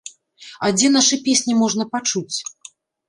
А дзе нашы песні можна пачуць?